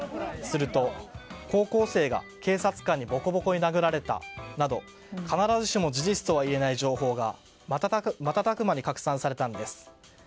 すると、高校生が警察官にボコボコに殴られたなど必ずしも事実とは言えない情報が瞬く間に拡散されたのです。